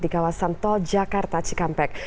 di kawasan tol jakarta cikampek